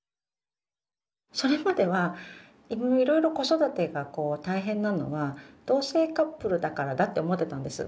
それまではいろいろ子育てが大変なのは同性カップルだからだって思ってたんです。